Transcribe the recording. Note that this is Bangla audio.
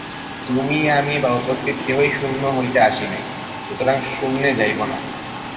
তুমি আমি বা উপস্থিত কেহই শূন্য হইতে আসি নাই, সুতরাং শূন্যে যাইব না।